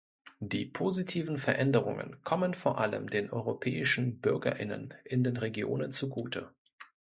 Die positiven Veränderungen kommen vor allem den europäischen BürgerInnen in den Regionen zugute.